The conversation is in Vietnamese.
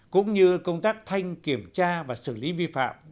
cũng như công tác thanh kiểm tra và xử lý vi phạm